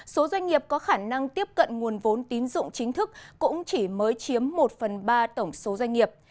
số doanh nghiệp có khả năng tiếp cận nguồn vốn tín dụng chính thức cũng chỉ mới chiếm một phần ba tổng số doanh nghiệp